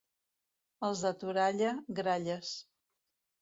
Els de Toralla, gralles.